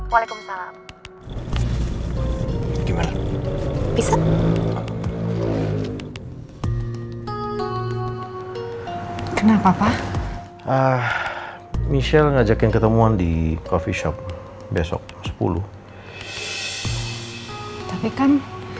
waalaikumsalam gimana bisa kenapa pak ah michelle ngajakin ketemuan di coffee shop besok sepuluh tapi kan